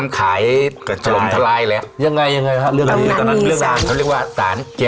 ใครก็ทัก